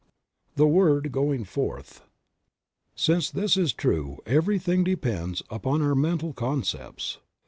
THE WORD GOING FORTH. QINCE this is true, everything depends upon our mental concepts.